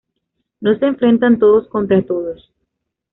No se enfrentan todos contra todos.